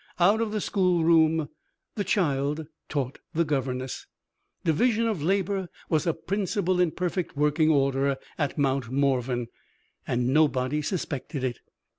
Out of the schoolroom, the child taught the governess. Division of labor was a principle in perfect working order at Mount Morven and nobody suspected it!